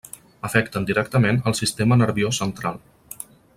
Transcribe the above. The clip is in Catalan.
Afecten directament al sistema nerviós central.